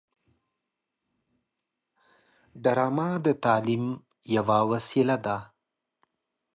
ډرامه د تعلیم یوه وسیله ده